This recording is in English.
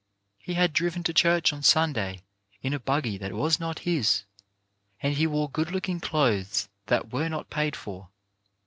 He had driven to church on Sunday in a buggy that was not his, and he wore good looking clothes that were not paid for.